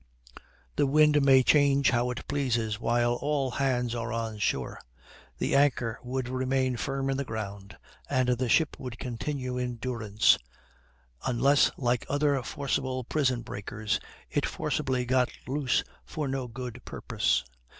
The wind may change how it pleases while all hands are on shore; the anchor would remain firm in the ground, and the ship would continue in durance, unless, like other forcible prison breakers, it forcibly got loose for no good purpose.